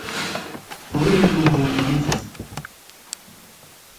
Ҡоро ер булһа ла иген сәс.